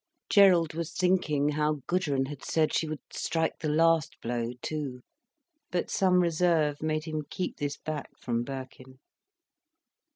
Gerald was thinking how Gudrun had said she would strike the last blow too. But some reserve made him keep this back from Birkin.